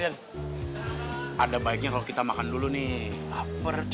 yang piggyback ya pencarian bishop pret